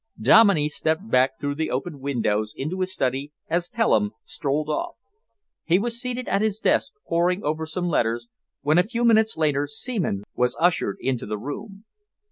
Dominey stepped back through the open windows into his study as Pelham strolled off. He was seated at his desk, poring over some letters, when a few minutes later Seaman was ushered into the room.